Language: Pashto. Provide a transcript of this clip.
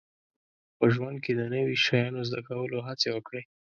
په ژوند کې د نوي شیانو زده کولو هڅې وکړئ